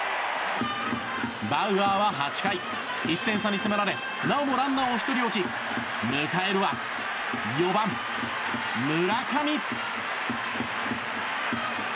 バウアーは８回、１点差に迫られなおもランナーを１人置き迎えるは４番、村上。